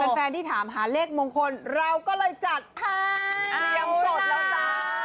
เป็นแฟนที่ถามหาเลขมงคลเราก็เลยจัดค่ะอันนี้ยังโกรธแล้วจ้า